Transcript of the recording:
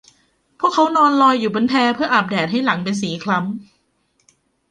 พวกเค้านอนลอยอยู่บนแพเพื่ออาบแดดให้หลังเป็นสีคล้ำ